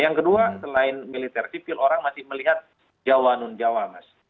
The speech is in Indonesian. yang kedua selain militer sipil orang masih melihat jawa nunjawa